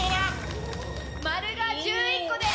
「○」が１１個で。